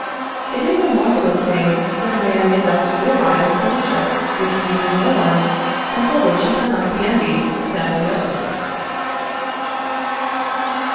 It is a marvellous thing that a man may thus realise a leisure which injures no one, and for which he cannot be envied without injustice."